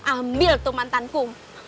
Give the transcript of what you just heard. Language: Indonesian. ambil tuh mantanku